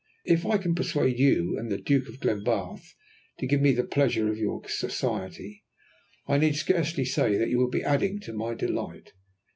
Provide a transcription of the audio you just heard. If I can persuade you and the Duke of Glenbarth to give me the pleasure of your society, I need scarcely say that you will be adding to my delight.